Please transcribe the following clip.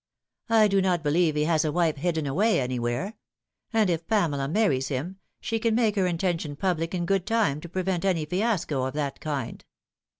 I do not believe he has a wife hidden away anywhere ; and if Pamela marries him she can make her intention public in good time to prevent any fiasco of that kind."